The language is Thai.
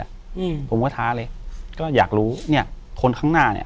อืมผมก็ท้าเลยก็อยากรู้เนี้ยคนข้างหน้าเนี้ย